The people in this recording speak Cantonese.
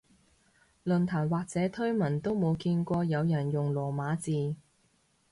論壇或者推文都冇見過有人用羅馬字